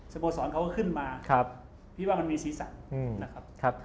โมสรเขาก็ขึ้นมาพี่ว่ามันมีสีสันนะครับ